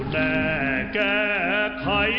ไม่ได้ชีวภาษาสิ้นไป